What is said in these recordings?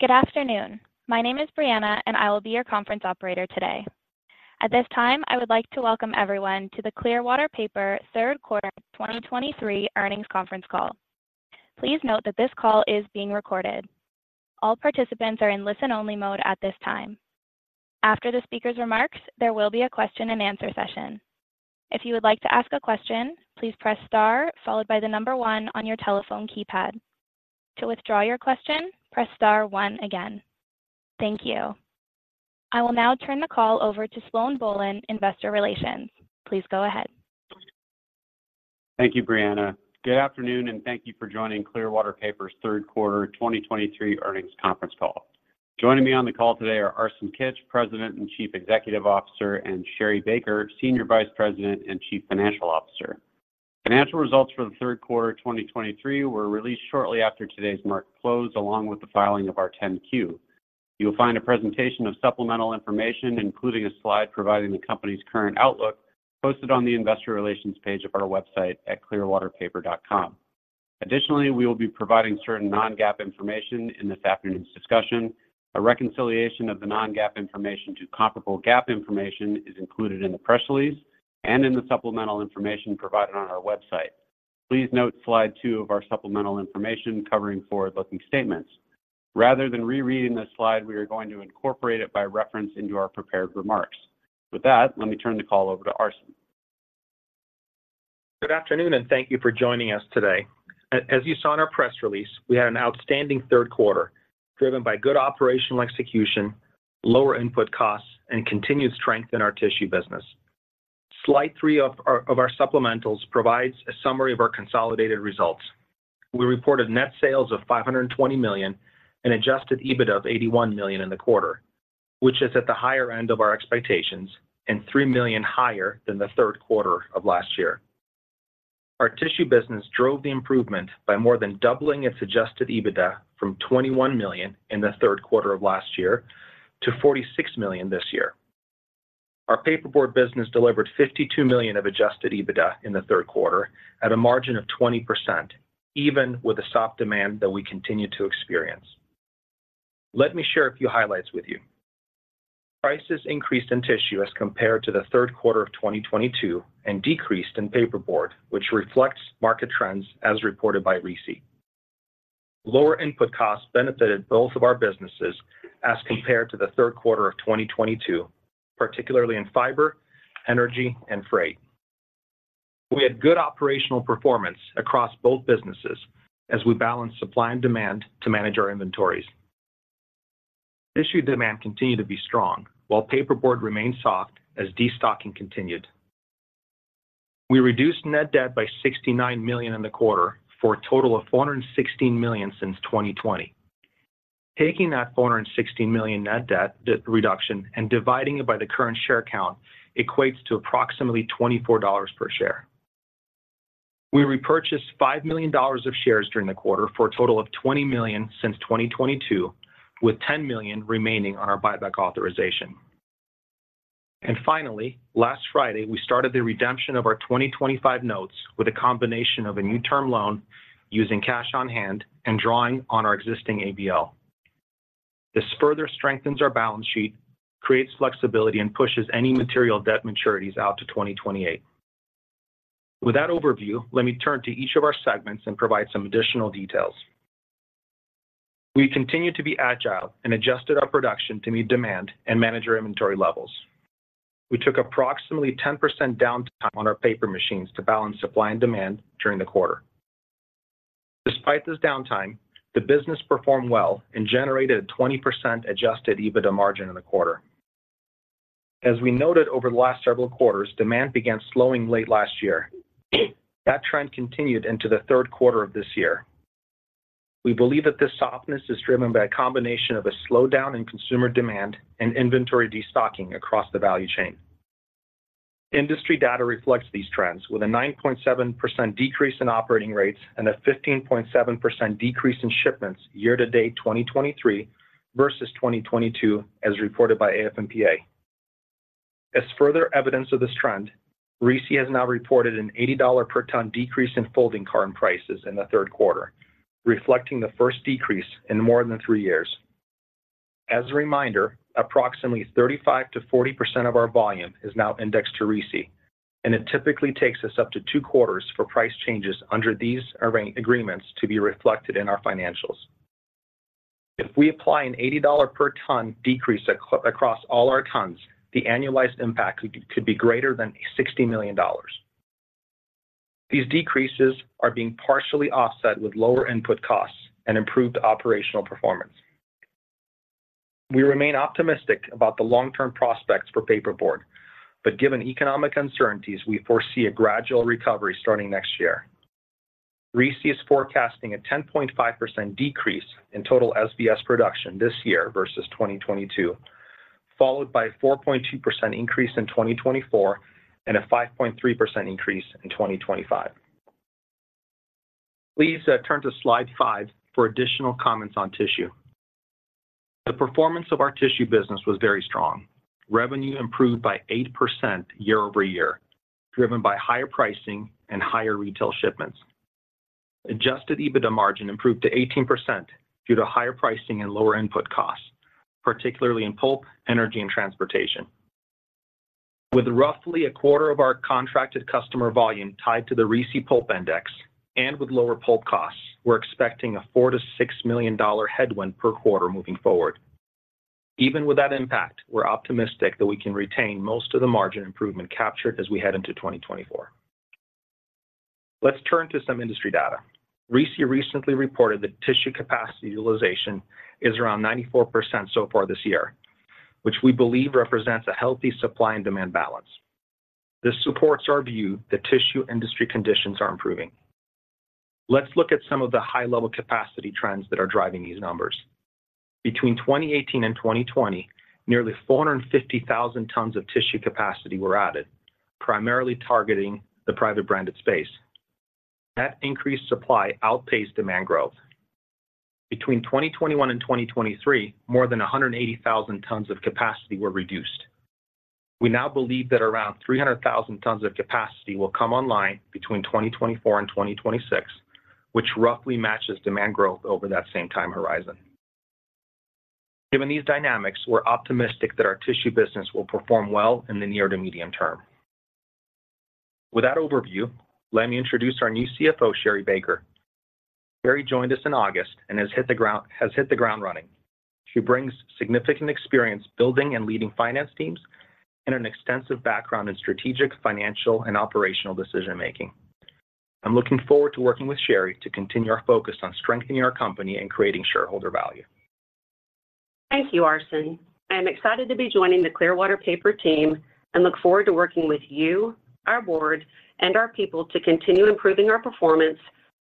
Good afternoon. My name is Brianna, and I will be your conference operator today. At this time, I would like to welcome everyone to the Clearwater Paper Third Quarter 2023 Earnings Conference Call. Please note that this call is being recorded. All participants are in listen-only mode at this time. After the speaker's remarks, there will be a question-and-answer session. If you would like to ask a question, please press star followed by the number one on your telephone keypad. To withdraw your question, press star one again. Thank you. I will now turn the call over to Sloan Bohlen, Investor Relations. Please go ahead. Thank you, Brianna. Good afternoon, and thank you for joining Clearwater Paper's third quarter 2023 earnings conference call. Joining me on the call today are Arsen Kitch, President and Chief Executive Officer, and Sherri Baker, Senior Vice President and Chief Financial Officer. Financial results for the third quarter of 2023 were released shortly after today's market close, along with the filing of our 10-Q. You will find a presentation of supplemental information, including a slide providing the company's current outlook, posted on the investor relations page of our website at clearwaterpaper.com. Additionally, we will be providing certain non-GAAP information in this afternoon's discussion. A reconciliation of the non-GAAP information to comparable GAAP information is included in the press release and in the supplemental information provided on our website. Please note slide 2 of our supplemental information covering forward-looking statements. Rather than rereading this slide, we are going to incorporate it by reference into our prepared remarks. With that, let me turn the call over to Arsen. Good afternoon, and thank you for joining us today. As you saw in our press release, we had an outstanding third quarter, driven by good operational execution, lower input costs, and continued strength in our tissue business. Slide 3 of our supplementals provides a summary of our consolidated results. We reported net sales of $520 million and adjusted EBITDA of $81 million in the quarter, which is at the higher end of our expectations and $3 million higher than the third quarter of last year. Our tissue business drove the improvement by more than doubling its adjusted EBITDA from $21 million in the third quarter of last year to $46 million this year. Our paperboard business delivered $52 million of adjusted EBITDA in the third quarter at a margin of 20%, even with the soft demand that we continue to experience. Let me share a few highlights with you. Prices increased in tissue as compared to the third quarter of 2022 and decreased in paperboard, which reflects market trends as reported by RISI. Lower input costs benefited both of our businesses as compared to the third quarter of 2022, particularly in fiber, energy, and freight. We had good operational performance across both businesses as we balanced supply and demand to manage our inventories. Tissue demand continued to be strong, while paperboard remained soft as destocking continued. We reduced net debt by $69 million in the quarter for a total of $416 million since 2020. Taking that $416 million net debt reduction and dividing it by the current share count equates to approximately $24 per share. We repurchased $5 million of shares during the quarter for a total of $20 million since 2022, with $10 million remaining on our buyback authorization. Finally, last Friday, we started the redemption of our 2025 notes with a combination of a new term loan using cash on hand and drawing on our existing ABL. This further strengthens our balance sheet, creates flexibility, and pushes any material debt maturities out to 2028. With that overview, let me turn to each of our segments and provide some additional details. We continued to be agile and adjusted our production to meet demand and manage our inventory levels. We took approximately 10% downtime on our paper machines to balance supply and demand during the quarter. Despite this downtime, the business performed well and generated a 20% Adjusted EBITDA margin in the quarter. As we noted over the last several quarters, demand began slowing late last year. That trend continued into the third quarter of this year. We believe that this softness is driven by a combination of a slowdown in consumer demand and inventory destocking across the value chain. Industry data reflects these trends, with a 9.7% decrease in operating rates and a 15.7% decrease in shipments year to date, 2023 versus 2022, as reported by AF&PA. As further evidence of this trend, RISI has now reported an $80 per ton decrease in folding carton prices in the third quarter, reflecting the first decrease in more than three years. As a reminder, approximately 35%-40% of our volume is now indexed to RISI, and it typically takes us up to two quarters for price changes under these arrangements to be reflected in our financials. If we apply an $80 per ton decrease across all our tons, the annualized impact could be greater than $60 million. These decreases are being partially offset with lower input costs and improved operational performance. We remain optimistic about the long-term prospects for paperboard, but given economic uncertainties, we foresee a gradual recovery starting next year. RISI is forecasting a 10.5% decrease in total SBS production this year versus 2022, followed by a 4.2% increase in 2024 and a 5.3% increase in 2025. Please turn to slide 5 for additional comments on tissue. The performance of our tissue business was very strong. Revenue improved by 8% year-over-year, driven by higher pricing and higher retail shipments. Adjusted EBITDA margin improved to 18% due to higher pricing and lower input costs, particularly in pulp, energy, and transportation. With roughly a quarter of our contracted customer volume tied to the RISI Pulp Index and with lower pulp costs, we're expecting a $4 million-$6 million headwind per quarter moving forward. Even with that impact, we're optimistic that we can retain most of the margin improvement captured as we head into 2024. Let's turn to some industry data. RISI recently reported that tissue capacity utilization is around 94% so far this year, which we believe represents a healthy supply and demand balance. This supports our view that tissue industry conditions are improving. Let's look at some of the high-level capacity trends that are driving these numbers. Between 2018 and 2020, nearly 450,000 tons of tissue capacity were added, primarily targeting the private branded space. That increased supply outpaced demand growth. Between 2021 and 2023, more than 180,000 tons of capacity were reduced. We now believe that around 300,000 tons of capacity will come online between 2024 and 2026, which roughly matches demand growth over that same time horizon. Given these dynamics, we're optimistic that our tissue business will perform well in the near to medium term. With that overview, let me introduce our new CFO, Sherri Baker. Sherri joined us in August and has hit the ground running. She brings significant experience building and leading finance teams and an extensive background in strategic, financial, and operational decision-making. I'm looking forward to working with Sherri to continue our focus on strengthening our company and creating shareholder value. Thank you, Arsen. I am excited to be joining the Clearwater Paper team and look forward to working with you, our board, and our people to continue improving our performance,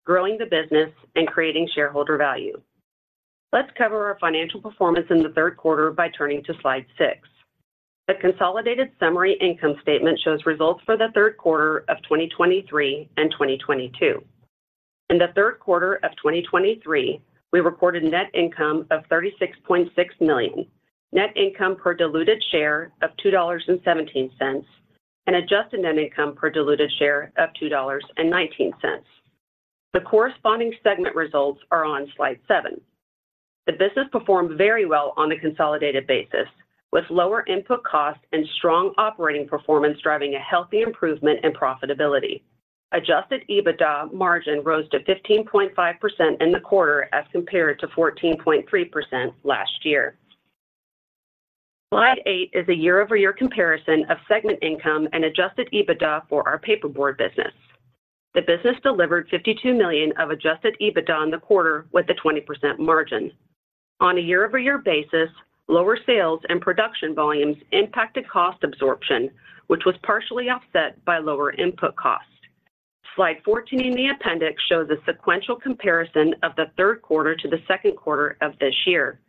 growing the business, and creating shareholder value. Let's cover our financial performance in the third quarter by turning to slide 6. The consolidated summary income statement shows results for the third quarter of 2023 and 2022. In the third quarter of 2023, we reported net income of $36.6 million, net income per diluted share of $2.17, and adjusted net income per diluted share of $2.19. The corresponding segment results are on slide 7. The business performed very well on a consolidated basis, with lower input costs and strong operating performance driving a healthy improvement in profitability. Adjusted EBITDA margin rose to 15.5% in the quarter as compared to 14.3% last year. Slide 8 is a year-over-year comparison of segment income and adjusted EBITDA for our paperboard business. The business delivered $52 million of adjusted EBITDA in the quarter with a 20% margin. On a year-over-year basis, lower sales and production volumes impacted cost absorption, which was partially offset by lower input costs. Slide 14 in the appendix shows a sequential comparison of the third quarter to the second quarter of this year.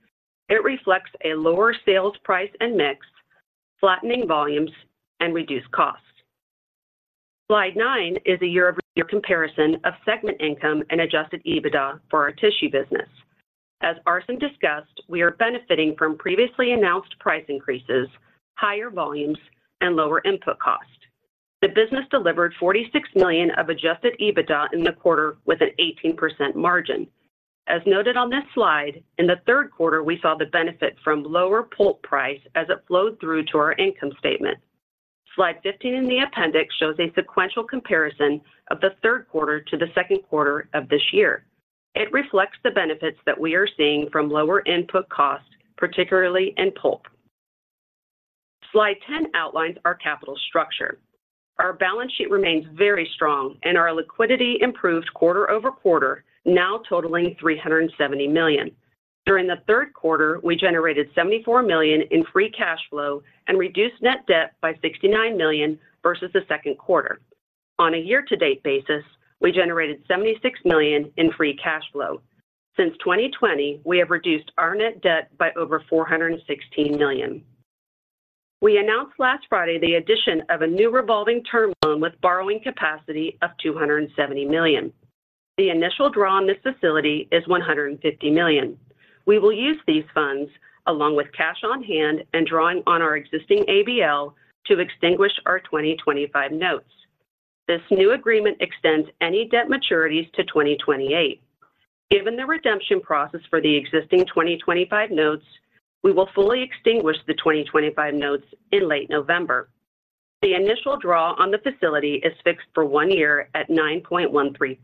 It reflects a lower sales price and mix, flattening volumes, and reduced costs. Slide 9 is a year-over-year comparison of segment income and adjusted EBITDA for our tissue business. As Arsen discussed, we are benefiting from previously announced price increases, higher volumes, and lower input cost. The business delivered $46 million of Adjusted EBITDA in the quarter with an 18% margin. As noted on this slide, in the third quarter, we saw the benefit from lower pulp price as it flowed through to our income statement. Slide 15 in the appendix shows a sequential comparison of the third quarter to the second quarter of this year. It reflects the benefits that we are seeing from lower input costs, particularly in pulp. Slide 10 outlines our capital structure. Our balance sheet remains very strong and our liquidity improved quarter over quarter, now totaling $370 million. During the third quarter, we generated $74 million in free cash flow and reduced net debt by $69 million versus the second quarter. On a year-to-date basis, we generated $76 million in free cash flow. Since 2020, we have reduced our net debt by over $416 million. We announced last Friday the addition of a new revolving term loan with borrowing capacity of $270 million. The initial draw on this facility is $150 million. We will use these funds along with cash on hand and drawing on our existing ABL to extinguish our 2025 notes. This new agreement extends any debt maturities to 2028. Given the redemption process for the existing 2025 notes, we will fully extinguish the 2025 notes in late November. The initial draw on the facility is fixed for one year at 9.13%.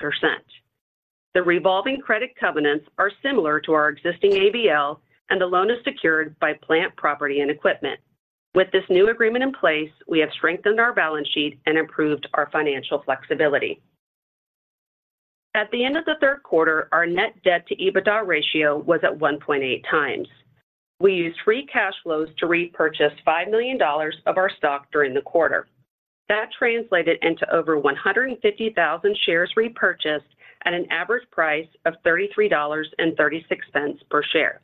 The revolving credit covenants are similar to our existing ABL, and the loan is secured by plant, property, and equipment. With this new agreement in place, we have strengthened our balance sheet and improved our financial flexibility. At the end of the third quarter, our net debt to EBITDA ratio was at 1.8x. We used free cash flows to repurchase $5 million of our stock during the quarter. That translated into over 150,000 shares repurchased at an average price of $33.36 per share.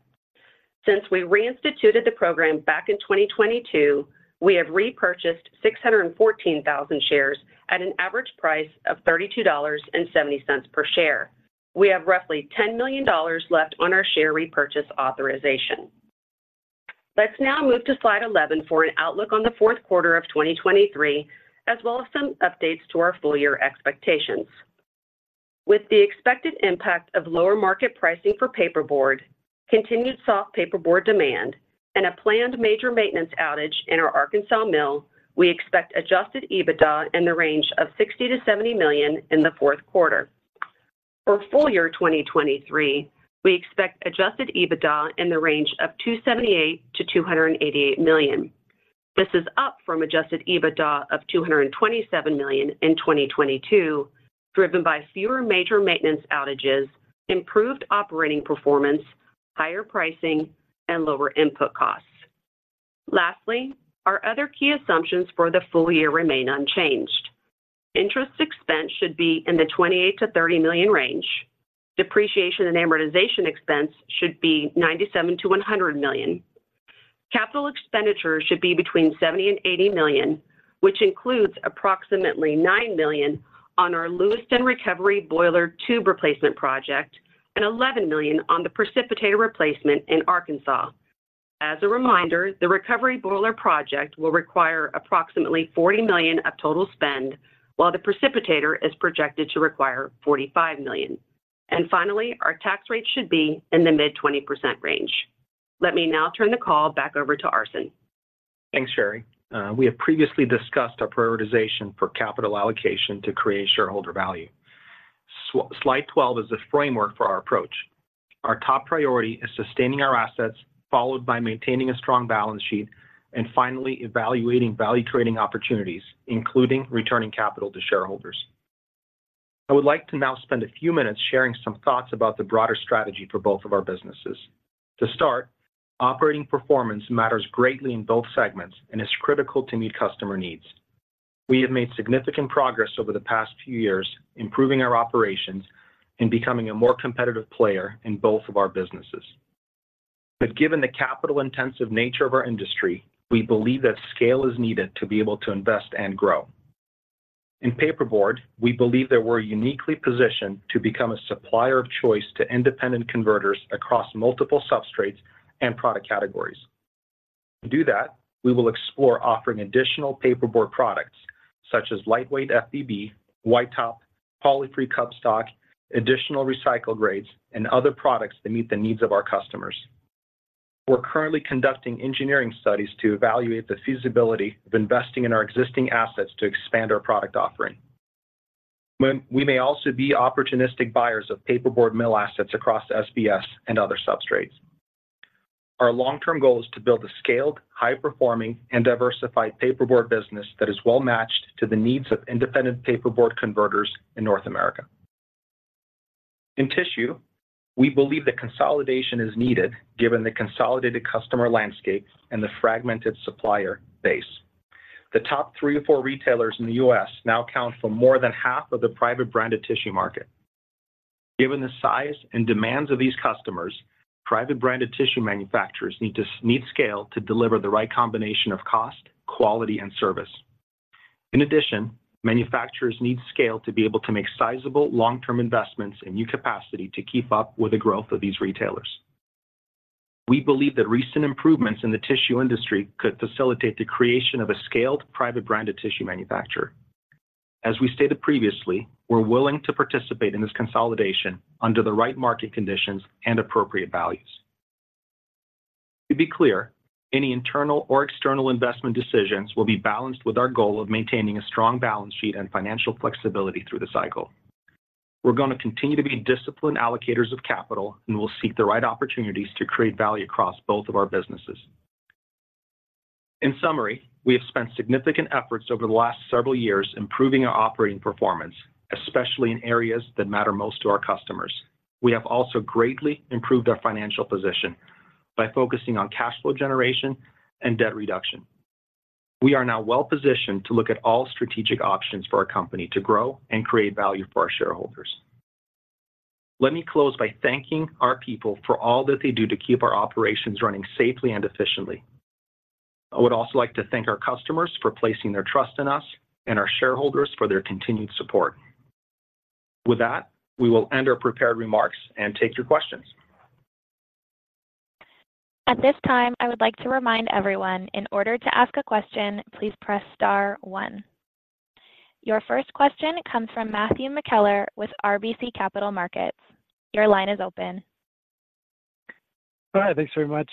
Since we reinstituted the program back in 2022, we have repurchased 614,000 shares at an average price of $32.70 per share. We have roughly $10 million left on our share repurchase authorization. Let's now move to slide 11 for an outlook on the fourth quarter of 2023, as well as some updates to our full year expectations. With the expected impact of lower market pricing for paperboard, continued soft paperboard demand, and a planned major maintenance outage in our Arkansas mill, we expect Adjusted EBITDA in the range of $60 million-$70 million in the fourth quarter. For full year 2023, we expect Adjusted EBITDA in the range of $278 million-$288 million. This is up from Adjusted EBITDA of $227 million in 2022, driven by fewer major maintenance outages, improved operating performance, higher pricing, and lower input costs. Lastly, our other key assumptions for the full year remain unchanged. Interest expense should be in the $28 million-$30 million range. Depreciation and amortization expense should be $97 million-$100 million. Capital expenditures should be between $70 million and $80 million, which includes approximately $9 million on our Lewiston recovery boiler tube replacement project and $11 million on the precipitator replacement in Arkansas. As a reminder, the recovery boiler project will require approximately $40 million of total spend, while the precipitator is projected to require $45 million. Finally, our tax rate should be in the mid-20% range. Let me now turn the call back over to Arsen. Thanks, Sherri. We have previously discussed our prioritization for capital allocation to create shareholder value. Slide 12 is the framework for our approach. Our top priority is sustaining our assets, followed by maintaining a strong balance sheet, and finally, evaluating value creating opportunities, including returning capital to shareholders. I would like to now spend a few minutes sharing some thoughts about the broader strategy for both of our businesses. To start, operating performance matters greatly in both segments and is critical to meet customer needs. We have made significant progress over the past few years, improving our operations and becoming a more competitive player in both of our businesses. But given the capital-intensive nature of our industry, we believe that scale is needed to be able to invest and grow. In paperboard, we believe that we're uniquely positioned to become a supplier of choice to independent converters across multiple substrates and product categories. To do that, we will explore offering additional paperboard products such as lightweight FBB, white top, poly-free cup stock, additional recycled grades, and other products that meet the needs of our customers. We're currently conducting engineering studies to evaluate the feasibility of investing in our existing assets to expand our product offering. We may also be opportunistic buyers of paperboard mill assets across SBS and other substrates. Our long-term goal is to build a scaled, high-performing, and diversified paperboard business that is well-matched to the needs of independent paperboard converters in North America. In tissue, we believe that consolidation is needed, given the consolidated customer landscape and the fragmented supplier base. The top three or four retailers in the U.S. now account for more than half of the private branded tissue market. Given the size and demands of these customers, private branded tissue manufacturers need scale to deliver the right combination of cost, quality, and service. In addition, manufacturers need scale to be able to make sizable, long-term investments in new capacity to keep up with the growth of these retailers. We believe that recent improvements in the tissue industry could facilitate the creation of a scaled, private branded tissue manufacturer. As we stated previously, we're willing to participate in this consolidation under the right market conditions and appropriate values. To be clear, any internal or external investment decisions will be balanced with our goal of maintaining a strong balance sheet and financial flexibility through the cycle. We're gonna continue to be disciplined allocators of capital, and we'll seek the right opportunities to create value across both of our businesses. In summary, we have spent significant efforts over the last several years improving our operating performance, especially in areas that matter most to our customers. We have also greatly improved our financial position by focusing on cash flow generation and debt reduction. We are now well-positioned to look at all strategic options for our company to grow and create value for our shareholders. Let me close by thanking our people for all that they do to keep our operations running safely and efficiently. I would also like to thank our customers for placing their trust in us and our shareholders for their continued support. With that, we will end our prepared remarks and take your questions. At this time, I would like to remind everyone, in order to ask a question, please press star one. Your first question comes from Matthew McKellar with RBC Capital Markets. Your line is open. Hi, thanks very much.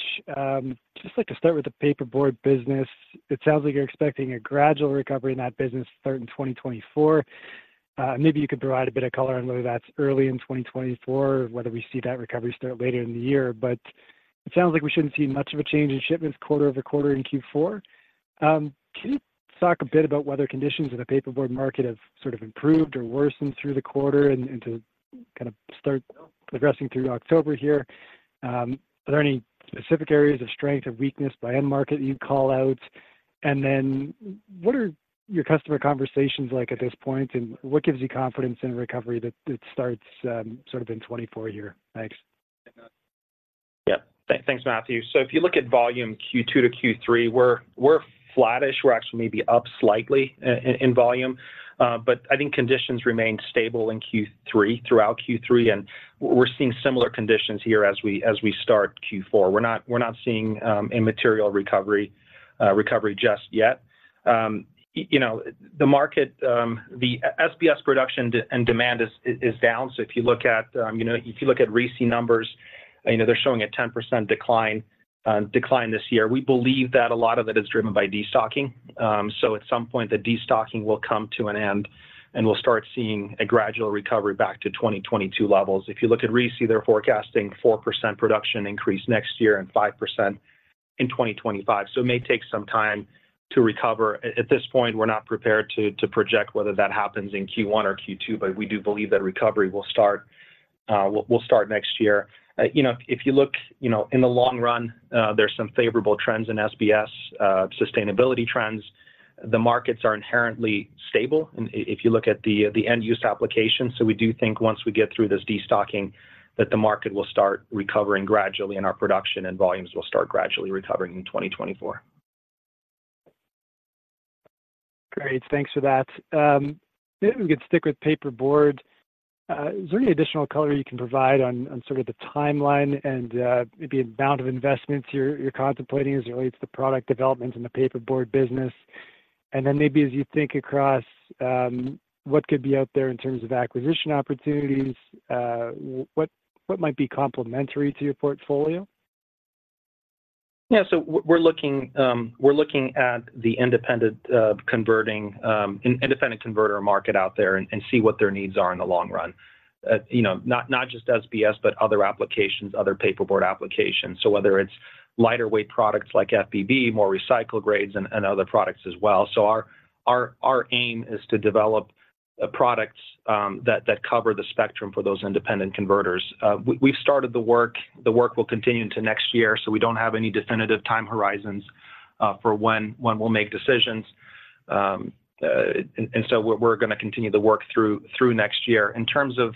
Just like to start with the paperboard business. It sounds like you're expecting a gradual recovery in that business starting in 2024. Maybe you could provide a bit of color on whether that's early in 2024, whether we see that recovery start later in the year. But it sounds like we shouldn't see much of a change in shipments quarter over quarter in Q4. Can you talk a bit about whether conditions in the paperboard market have sort of improved or worsened through the quarter? And to kind of start progressing through October here, are there any specific areas of strength or weakness by end market you'd call out? And then what are your customer conversations like at this point, and what gives you confidence in a recovery that starts sort of in 2024? Thanks. Yeah. Thanks, Matthew. So if you look at volume Q2 to Q3, we're flattish. We're actually maybe up slightly in volume, but I think conditions remained stable in Q3, throughout Q3, and we're seeing similar conditions here as we start Q4. We're not seeing a material recovery just yet. You know, the market, the SBS production and demand is down. So if you look at, you know, if you look at RISI numbers, you know, they're showing a 10% decline this year. We believe that a lot of it is driven by destocking. So at some point, the destocking will come to an end, and we'll start seeing a gradual recovery back to 2022 levels. If you look at RISI, they're forecasting 4% production increase next year and 5% in 2025, so it may take some time to recover. At this point, we're not prepared to project whether that happens in Q1 or Q2, but we do believe that recovery will start next year. You know, if you look in the long run, there's some favorable trends in SBS, sustainability trends. The markets are inherently stable, and if you look at the end-use application. So we do think once we get through this destocking, that the market will start recovering gradually, and our production and volumes will start gradually recovering in 2024. Great. Thanks for that. If we could stick with paperboard, is there any additional color you can provide on sort of the timeline and maybe amount of investments you're contemplating as it relates to product development in the paperboard business? And then maybe as you think across what could be out there in terms of acquisition opportunities, what might be complementary to your portfolio? Yeah, so we're looking at the independent converting independent converter market out there and see what their needs are in the long run. You know, not just SBS, but other applications, other paperboard applications. So whether it's lighter weight products like FBB, more recycled grades and other products as well. So our aim is to develop products that cover the spectrum for those independent converters. We've started the work. The work will continue into next year, so we don't have any definitive time horizons for when we'll make decisions. And so we're gonna continue to work through next year. In terms of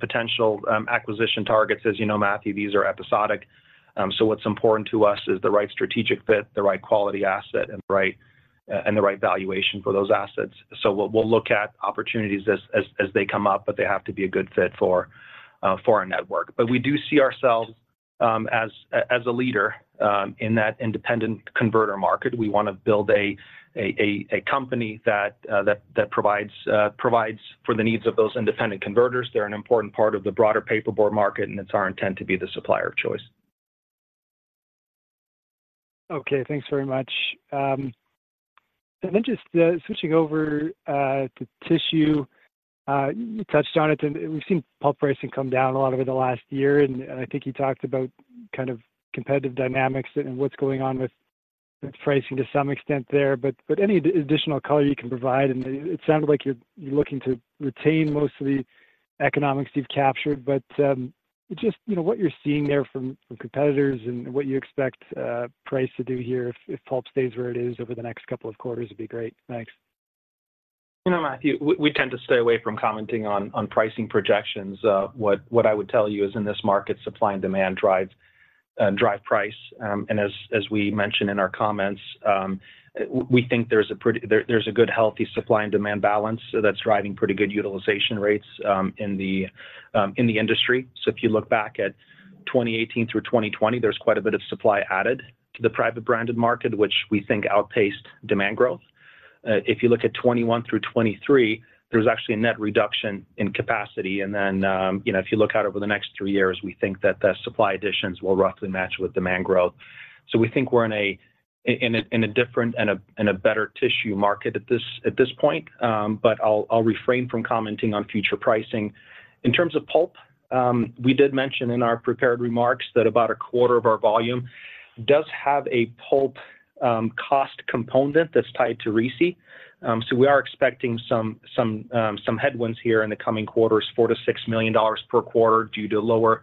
potential acquisition targets, as you know, Matthew, these are episodic. So what's important to us is the right strategic fit, the right quality asset, and the right valuation for those assets. So we'll look at opportunities as they come up, but they have to be a good fit for our network. But we do see ourselves as a leader in that independent converter market. We wanna build a company that provides for the needs of those independent converters. They're an important part of the broader paperboard market, and it's our intent to be the supplier of choice. Okay, thanks very much. And then just switching over to tissue, you touched on it, and we've seen pulp pricing come down a lot over the last year, and I think you talked about kind of competitive dynamics and what's going on with the pricing to some extent there. But any additional color you can provide, and it sounded like you're looking to retain most of the economics you've captured. But just, you know, what you're seeing there from competitors and what you expect price to do here, if pulp stays where it is over the next couple of quarters, would be great. Thanks. You know, Matthew, we tend to stay away from commenting on pricing projections. What I would tell you is, in this market, supply and demand drives, drive price. And as we mentioned in our comments, we think there's a pretty good, healthy supply and demand balance, so that's driving pretty good utilization rates in the industry. So if you look back at 2018 through 2020, there's quite a bit of supply added to the private branded market, which we think outpaced demand growth. If you look at 2021 through 2023, there's actually a net reduction in capacity, and then, you know, if you look out over the next three years, we think that the supply additions will roughly match with demand growth. So we think we're in a different and a better tissue market at this point. But I'll refrain from commenting on future pricing. In terms of pulp, we did mention in our prepared remarks that about a quarter of our volume does have a pulp cost component that's tied to RISI. So we are expecting some headwinds here in the coming quarters, $4 million-$6 million per quarter due to lower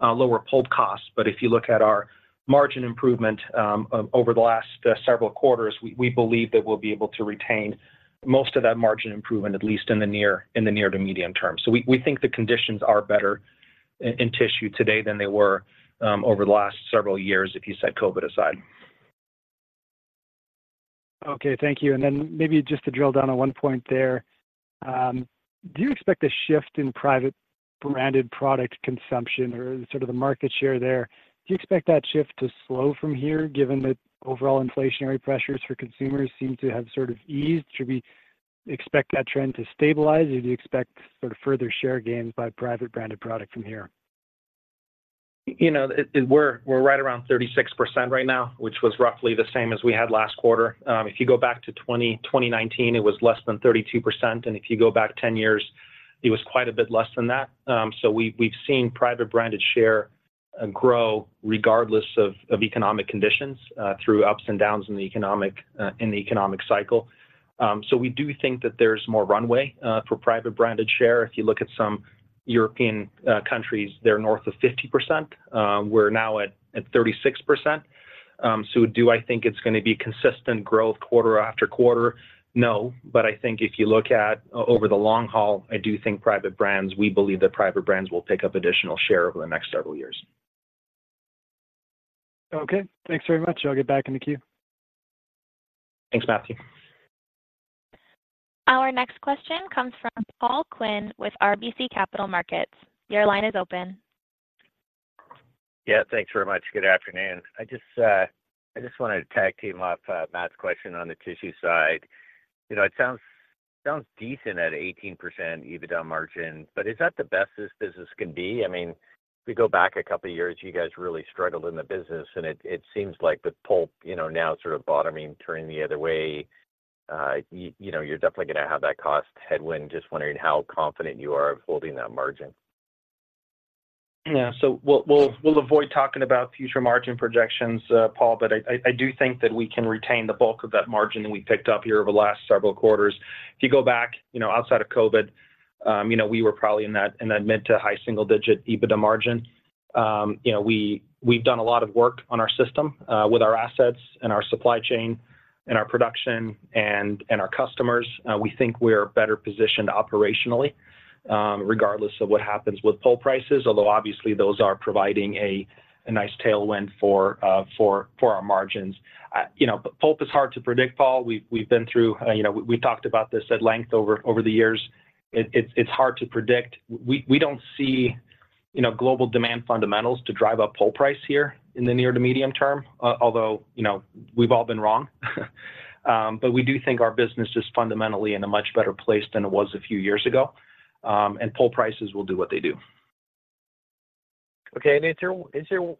pulp costs. But if you look at our margin improvement over the last several quarters, we believe that we'll be able to retain most of that margin improvement, at least in the near to medium term. So we think the conditions are better in tissue today than they were over the last several years, if you set COVID aside. Okay, thank you. And then maybe just to drill down on one point there, do you expect a shift in private branded product consumption or sort of the market share there? Do you expect that shift to slow from here, given that overall inflationary pressures for consumers seem to have sort of eased? Should we expect that trend to stabilize, or do you expect sort of further share gains by private branded product from here? You know, we're right around 36% right now, which was roughly the same as we had last quarter. If you go back to 2019, it was less than 32%, and if you go back 10 years, it was quite a bit less than that. So we've seen private branded share grow regardless of economic conditions through ups and downs in the economic cycle. So we do think that there's more runway for private branded share. If you look at some European countries, they're north of 50%. We're now at 36%. So do I think it's gonna be consistent growth quarter after quarter? No. But I think if you look at over the long haul, I do think private brands—we believe that private brands will pick up additional share over the next several years. Okay, thanks very much. I'll get back in the queue. Thanks, Matthew. ... Our next question comes from Paul Quinn with RBC Capital Markets. Your line is open. Yeah, thanks very much. Good afternoon. I just wanted to tag team off Matt's question on the tissue side. You know, it sounds decent at 18% EBITDA margin, but is that the best this business can be? I mean, if we go back a couple of years, you guys really struggled in the business, and it seems like the pulp, you know, now is sort of bottoming, turning the other way. You know, you're definitely gonna have that cost headwind. Just wondering how confident you are of holding that margin. Yeah. So we'll avoid talking about future margin projections, Paul, but I do think that we can retain the bulk of that margin that we picked up here over the last several quarters. If you go back, you know, outside of COVID, you know, we were probably in that mid- to high-single-digit EBITDA margin. You know, we've done a lot of work on our system with our assets and our supply chain and our production and our customers. We think we're better positioned operationally, regardless of what happens with pulp prices. Although obviously, those are providing a nice tailwind for our margins. You know, but pulp is hard to predict, Paul. We've been through, you know... We talked about this at length over the years. It's hard to predict. We don't see, you know, global demand fundamentals to drive up pulp price here in the near to medium term, although, you know, we've all been wrong. But we do think our business is fundamentally in a much better place than it was a few years ago, and pulp prices will do what they do. Okay. And is there, you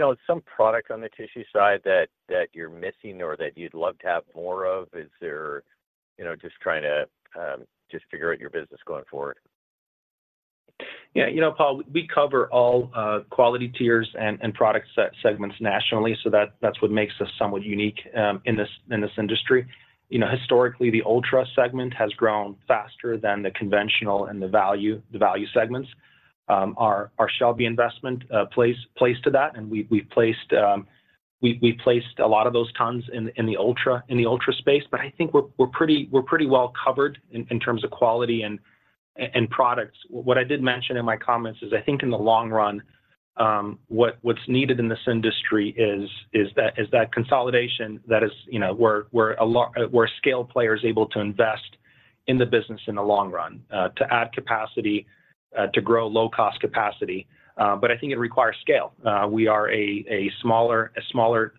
know, some product on the tissue side that you're missing or that you'd love to have more of? Is there, you know, just trying to just figure out your business going forward? Yeah, you know, Paul, we cover all quality tiers and product segments nationally, so that's what makes us somewhat unique in this industry. You know, historically, the ultra segment has grown faster than the conventional and the value segments. Our Shelby investment plays to that, and we've placed a lot of those tons in the ultra space. But I think we're pretty well covered in terms of quality and products. What I did mention in my comments is, I think in the long run, what's needed in this industry is that consolidation that is, you know, where scale players are able to invest in the business in the long run, to add capacity, to grow low-cost capacity. But I think it requires scale. We are a smaller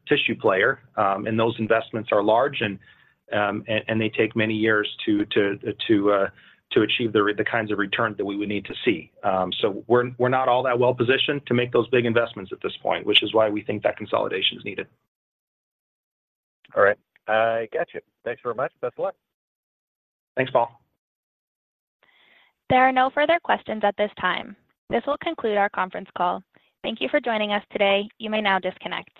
tissue player, and those investments are large, and they take many years to achieve the kinds of return that we would need to see. So we're not all that well positioned to make those big investments at this point, which is why we think that consolidation is needed. All right. I get you. Thanks very much. Best of luck. Thanks, Paul. There are no further questions at this time. This will conclude our conference call. Thank you for joining us today. You may now disconnect.